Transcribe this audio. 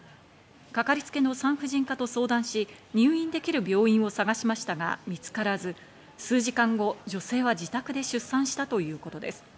かかりつけの産婦人科と相談し、入院できる病院を探しましたが見つからず、数時間後、女性は自宅で出産したということです。